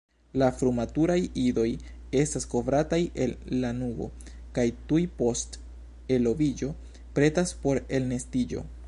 La frumaturaj idoj estas kovrataj el lanugo kaj tuj post eloviĝo pretas por elnestiĝo.